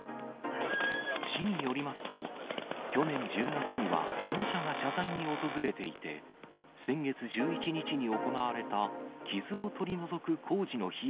市によりますと、去年１０月には保護者が謝罪に訪れていて、先月１１日に行われた傷を取り除く工事の費用